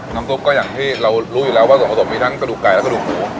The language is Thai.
ซุปก็อย่างที่เรารู้อยู่แล้วว่าส่วนผสมมีทั้งกระดูกไก่และกระดูกหมู